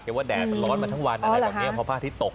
เมื่อแดดร้อนมาทั้งวันพอพระอาทิตย์ตก